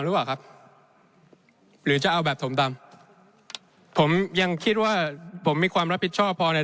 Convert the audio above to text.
หรือเปล่าครับหรือจะเอาแบบถมดำผมยังคิดว่าผมมีความรับผิดชอบพอใน